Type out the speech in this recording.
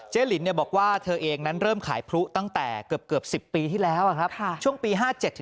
ลินบอกว่าเธอเองนั้นเริ่มขายพลุตั้งแต่เกือบ๑๐ปีที่แล้วช่วงปี๕๗